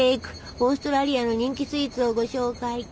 オーストラリアの人気スイーツをご紹介！